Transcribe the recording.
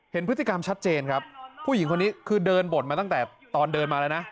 เห็นพฤติกรรมชัดเจนครับผู้หญิงคนนี้คือเดินบ่นมาตั้งแต่ตอนเดินมาแล้วนะ